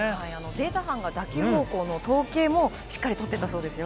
データ班が打球方向の統計もしっかり取っていたそうですよ。